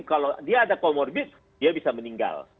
kalau dia ada comorbid dia bisa meninggal